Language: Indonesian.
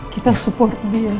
kita support ya